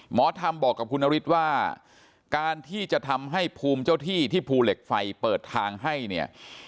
หมอธรรมบอกกับคุณนฤทธิ์ว่าการที่จะทำให้ภูมิเจ้าที่ที่ภูเหล็กไฟเปิดทางให้เนี่ย